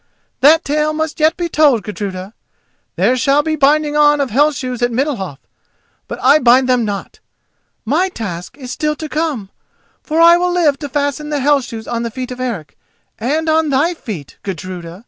That tale must yet be told, Gudruda. There shall be binding on of Hell shoes at Middalhof, but I bind them not. My task is still to come: for I will live to fasten the Hell shoes on the feet of Eric, and on thy feet, Gudruda!